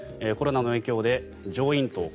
コロナの影響で上咽頭